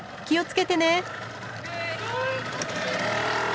気を付けてね。